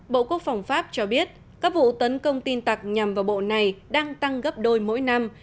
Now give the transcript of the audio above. bộ quốc phòng pháp cho biết các vụ tấn công tin tặc nhằm vào bộ này đang tăng gấp đôi mỗi năm